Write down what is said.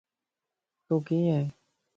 تو ڪيئن ائين؟